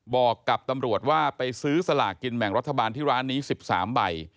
บอกกับตำรวจว่าไปซื้อสลากกินแบ่งรัฐบาลที่ร้านนี้๑๓ใบ